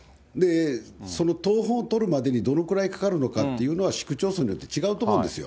その謄本を取るまでにどのくらいかかるのかというのは、市区町村によって違うと思うんですよ。